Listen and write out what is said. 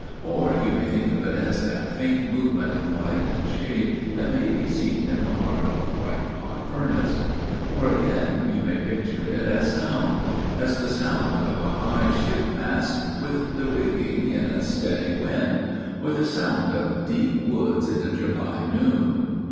Or you may think of it as that faint movement of light and shade that may be seen in the heart of a white hot furnace. Or again you may picture it as sound––as the sound of a high ship mast with the rigging, in a steady wind; or the sound of deep woods in a July noon.